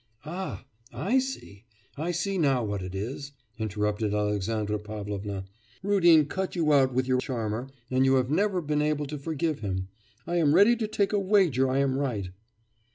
'Ah! I see, I see now what it is,' interrupted Alexandra Pavlovna. 'Rudin cut you out with your charmer, and you have never been able to forgive him.... I am ready to take a wager I am right!